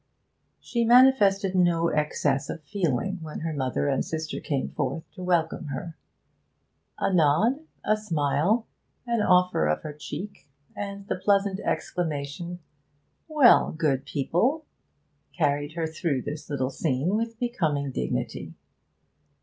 She manifested no excess of feeling when her mother and sister came forth to welcome her; a nod, a smile, an offer of her cheek, and the pleasant exclamation, 'Well, good people!' carried her through this little scene with becoming dignity.